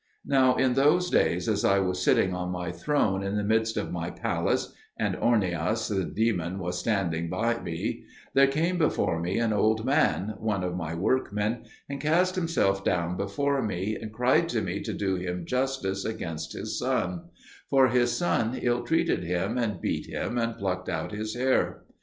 Now in those days, as I was sitting on my throne in the midst of my palace (and Ornias the demon was standing by me), there came before me an old man, one of my workmen, and cast himself down before me, and cried to me to do him justice against his son; for his son ill treated him and beat him and plucked out his hair.